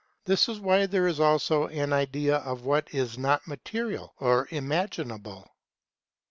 This is why there is also an idea of what is not material or imaginable.